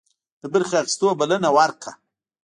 د برخي اخیستلو بلنه ورکړه.